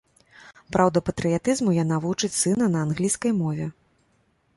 Праўда, патрыятызму яна вучыць сына на англійскай мове.